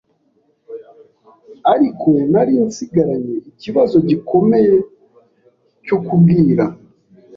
ariko nari nsigaranye ikibazo gikomeye cyo kubwira